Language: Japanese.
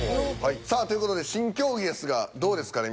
さあという事で新競技ですがどうですかね？